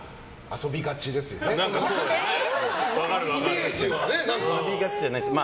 遊びがちじゃないです。